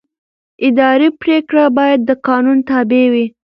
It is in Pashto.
اداري پرېکړه باید د قانون تابع وي.